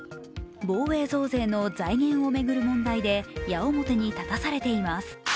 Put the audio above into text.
防衛増税の財源を巡る問題で矢面に立たされています。